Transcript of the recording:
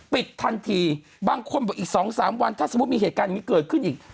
ปิดทันทีบางคนบอกอีก๒๓วันถ้าสมมุติมีเหตุการณ์อย่างนี้เกิดขึ้นอีก